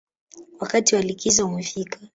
Wakati wa likizo umefika